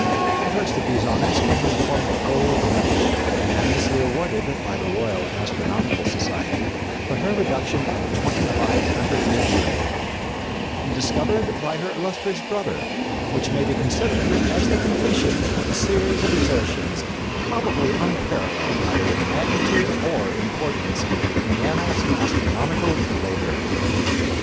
The first of these honors came in the form of a gold medal, unanimously awarded by the Royal Astronomical Society for her reduction of twenty five hundred nebulæ "discovered by her illustrious brother, which may be considered as the completion of a series of exertions probably unparalleled either in magnitude or importance in the annals of astronomical labor."